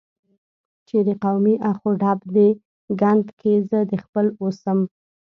چې د قومي اخ و ډب دې ګند کې زه دخیل اوسم،